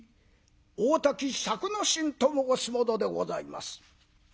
大多喜作之進と申す者でございます」。